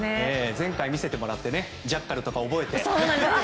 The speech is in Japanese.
前回、見せてもらってジャッカルとか覚えて。